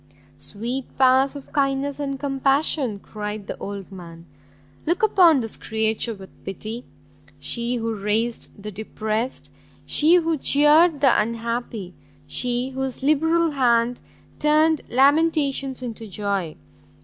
"Sweet powers of kindness and compassion!" cried the old man, "look upon this creature with pity! she who raised the depressed, she who cheared the unhappy! she whose liberal hand turned lamentations into joy!